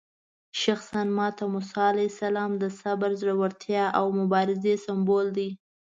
شخصاً ماته موسی علیه السلام د صبر، زړورتیا او مبارزې سمبول دی.